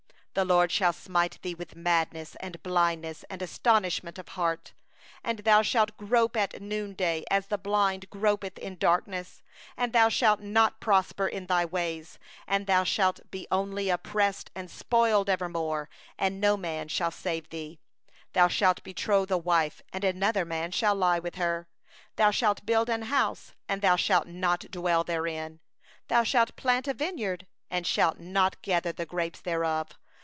28The LORD will smite thee with madness, and with blindness, and with astonishment of heart. 29And thou shalt grope at noonday, as the blind gropeth in darkness, and thou shalt not make thy ways prosperous; and thou shalt be only oppressed and robbed alway, and there shall be none to save thee. 30Thou shalt betroth a wife, and another man shall lie with her; thou shalt build a house, and thou shalt not dwell therein; thou shalt plant a vineyard, and shalt not use the fruit thereof.